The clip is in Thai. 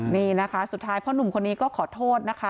นี่นะคะสุดท้ายพ่อหนุ่มคนนี้ก็ขอโทษนะคะ